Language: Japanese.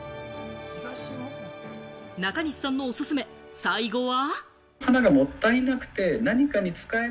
中西さんのおすすめ、最後は。